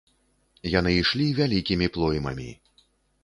Яны ішлі вялікімі плоймамі.